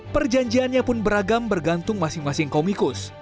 perjanjiannya pun beragam bergantung masing masing komikus